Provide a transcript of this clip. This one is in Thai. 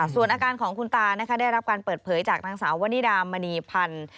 ส่วนอาการของคุณตาได้รับการเปิดเผยจากนางสาววนิดามณีพันธ์